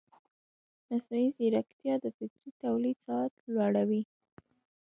مصنوعي ځیرکتیا د فکري تولید سرعت لوړوي.